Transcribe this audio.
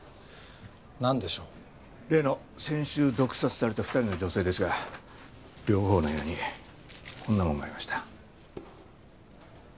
例の先週毒殺された２人の女性ですが両方の部屋にこんなものがありました。